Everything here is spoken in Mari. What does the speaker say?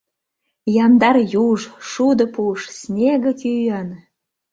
Яндар юж, шудо пуш, снеге кӱын…